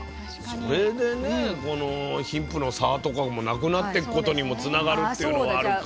それでねこの貧富の差とかもなくなってくことにもつながるっていうのはあるか。